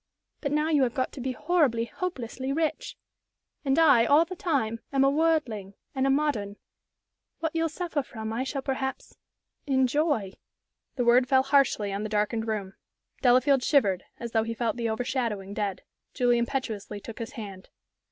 But now you have got to be horribly, hopelessly rich. And I, all the time, am a worldling, and a modern. What you'll suffer from, I shall perhaps enjoy." The word fell harshly on the darkened room. Delafield shivered, as though he felt the overshadowing dead. Julie impetuously took his hand.